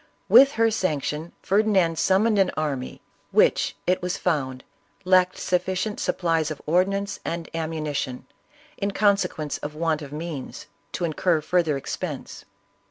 With her sanction Ferdinand summoned an army, which, it was found, lacked sufficient supplies of ordnance and ammunition, in consequence of want of means, to incur further expense.